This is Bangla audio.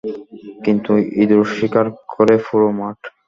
কিন্তু ইঁদুর শিকার করে পুরো মাঠ।